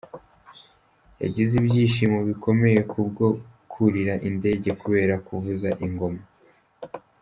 Yagize ibyishimo bikomeye kubwo kurira indege kubera kuvuza ingoma.